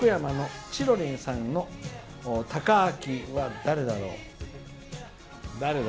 ちろりんさんのたかあきは誰だろう。